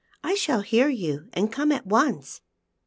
I shall hear you and come at once."